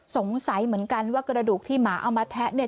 สงสัยเหมือนกันว่ากระดูกที่หมาเอามาแทะเนี่ย